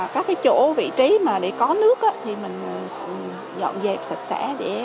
các chỗ vị trí để có nước thì mình dọn dẹp sạch sẽ